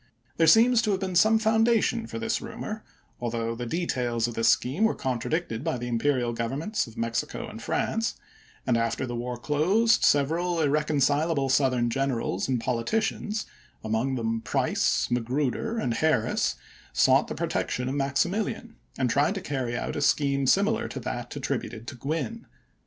There seems to have been some founda tion for this rumor, although the details of the scheme were contradicted by the imperial govern ments of Mexico and France; and after the war closed several irreconcilable Southern generals and politicians, among them Price, Magruder, and Harris, sought the protection of Maximilian, and tried to carry out a scheme similar to that attributed to Gwin.